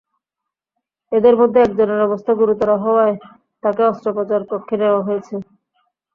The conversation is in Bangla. এঁদের মধ্যে একজনের অবস্থা গুরুতর হওয়ায় তাঁকে অস্ত্রোপচার কক্ষে নেওয়া হয়েছে।